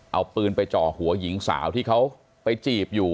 เอาปืนไปจ่อหัวหญิงสาวที่เขาไปจีบอยู่